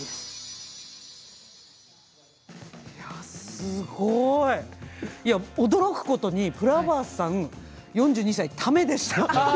すごい。驚くことにプラバースさん４２歳、ためでした。